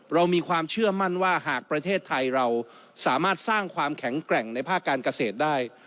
เรามีความเชื่อมั่นว่าหากประเทศไทยเราสามารถสร้างความแข็งแกร่งในภาคการเกษตรได้